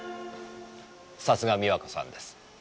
さすが美和子さんです。